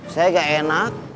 saya gak enak